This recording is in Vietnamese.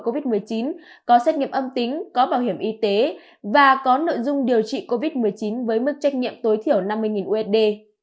covid một mươi chín có xét nghiệm âm tính có bảo hiểm y tế và có nội dung điều trị covid một mươi chín với mức trách nhiệm tối thiểu năm mươi usd